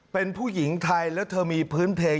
เป็นผู้หญิงไทยแล้วเธอมีพื้นเพลง